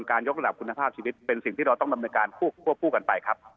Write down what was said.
ในเรื่องของการยกระดับคุณภาพชีวิตเป็นสิ่งที่เราต้องทำในการพูดพูดกันไปครับ